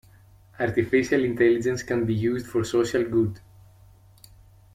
Artificial Intelligence can be used for social good.